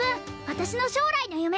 私の将来の夢！